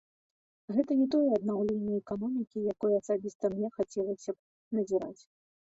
Гэта не тое аднаўленне эканомікі, якое асабіста мне хацелася б назіраць.